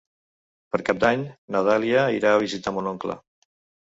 Per Cap d'Any na Dàlia irà a visitar mon oncle.